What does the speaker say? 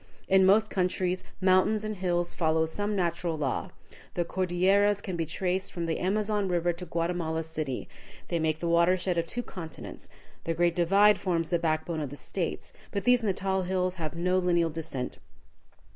In most countries mountains and hills follow some natural law. The Cordilleras can be traced from the Amazon River to Guatemala City; they make the water shed of two continents; the Great Divide forms the backbone of the States, but these Natal hills have no lineal descent.